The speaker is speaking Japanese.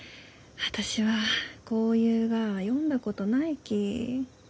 私はこういうがは読んだことないき。